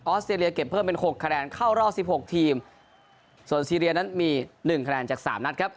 สเตรเลียเก็บเพิ่มเป็นหกคะแนนเข้ารอบสิบหกทีมส่วนซีเรียนั้นมีหนึ่งคะแนนจากสามนัดครับ